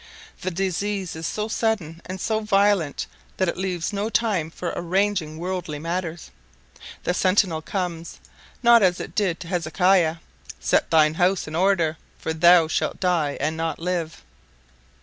The disease is so sudden and so violent that it leaves no time for arranging worldly matters; the sentinel comes, not as it did to Hezekiah, "Set thine house in order, for thou shalt die, and not live."